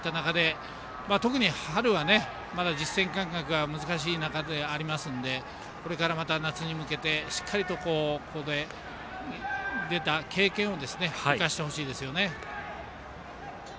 特に春はまだ実戦感覚が難しい中でありますんでこれからまた夏に向けてしっかりとここで得た経験を果たしてほしいですよね。